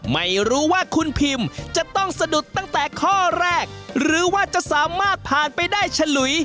ไม่รู้ว่าคุณพิมจะต้องสะดุดตั้งแต่ข้อแรกหรือว่าจะสามารถผ่านไปได้ฉลุย